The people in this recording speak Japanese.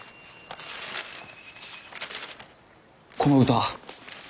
この歌。